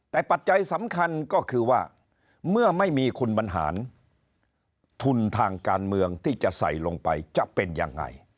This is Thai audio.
แต่ปัจจัยสำคัญก็คือว่าเมื่อไม่มีคุณบรรหารทุนทางการเมืองที่จะใส่ลงไปจะเป็นยังไง